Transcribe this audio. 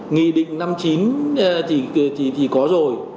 nghị định năm chín thì có rồi